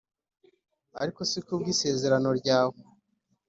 ariko si ku bw’isezerano ryawe